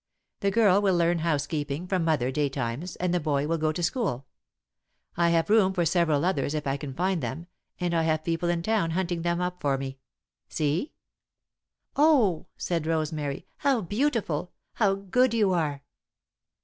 The girl will learn housekeeping from mother daytimes and the boy will go to school. I have room for several others if I can find them, and I have people in town hunting them up for me. See?" "Oh!" said Rosemary. "How beautiful! How good you are!"